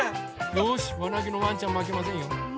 よしわなげのワンちゃんまけませんよ。